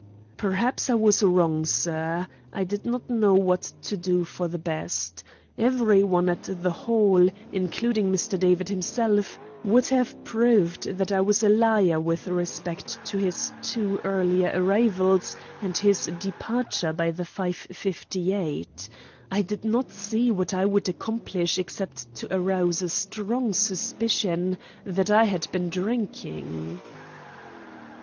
"Perhaps I was wrong, sir. I did not know what to do for the best. Every one at the Hall, including Mr. David himself, would have proved that I was a liar with respect to his two earlier arrivals and his departure by the 5.58. I did not see what I would accomplish except to arouse a strong suspicion that I had been drinking."